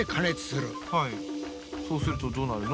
そうするとどうなるの？